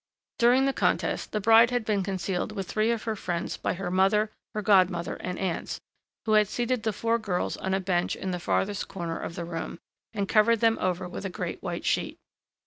During the contest, the bride had been concealed with three of her friends by her mother, her godmother, and aunts, who had seated the four girls on a bench in the farthest corner of the room, and covered them over with a great white sheet.